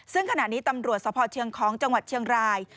ซึ่งขณะนี้ตำรวจสภเชียงของจังหวัดเชียงราย